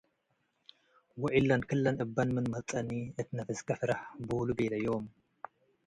ወእለ'ን ክለን እበን ምን ትመጽአኒ እት ነፍስከ ፍረህ” ቦሉ ቤለዮም።